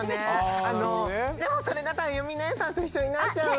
でもそれだとあゆみおねえさんと一緒になっちゃう！